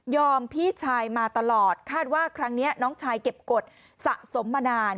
พี่ชายมาตลอดคาดว่าครั้งนี้น้องชายเก็บกฎสะสมมานาน